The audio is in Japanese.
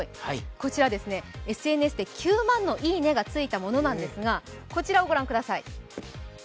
こちらはＳＮＳで９万の「いいね」がついたものなんですが、こちらを御覧ください。